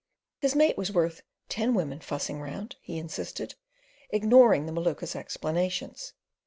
His mate was worth "ten women fussing round," he insisted, ignoring the Maluka's explanations.